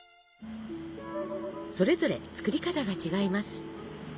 それぞれ作り方が違います。